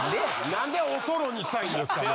なんでおそろにしたいんですか。